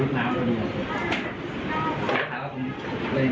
นี่นะคะคือจับไปได้แล้วสาม